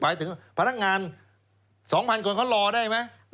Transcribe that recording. ถึงพนักงาน๒๐๐คนเขารอได้ไหม